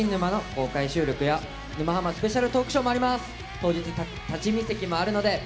当日立ち見席もあるので。